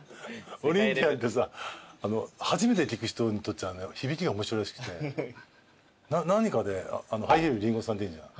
オリンピアンってさ初めて聞く人にとっちゃね響きが面白いらしくて何かでハイヒール・リンゴさんっているじゃん。